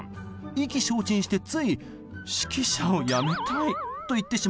意気消沈してつい「指揮者をやめたい」と言ってしまいました。